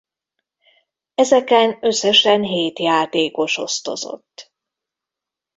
Ezeken összesen hét játékos osztozott.